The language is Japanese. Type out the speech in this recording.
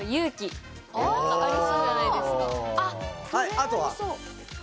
あとは？